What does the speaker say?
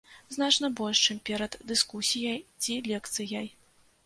Значна больш, чым перад дыскусіяй ці лекцыяй.